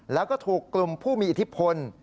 แล้วก็ถูกกลุ่มผู้มีอิทธิพล